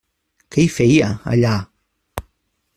Què hi feia, allà?